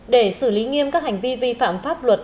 để xử lý nghiêm các hành vi vi phạm pháp luật